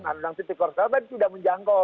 undang undang titikor sekarang tadi tidak menjangkau